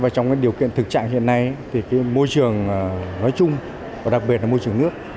trong điều kiện thực trạng hiện nay môi trường nói chung và đặc biệt là môi trường nước